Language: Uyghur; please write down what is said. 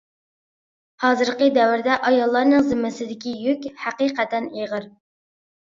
ھازىرقى دەۋردە ئاياللارنىڭ زىممىسىدىكى يۈك ھەقىقەتەن ئېغىر.